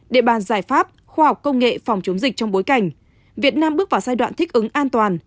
địa bàn giải pháp khoa học công nghệ phòng chống dịch trong bối cảnh việt nam bước vào giai đoạn thích ứng an toàn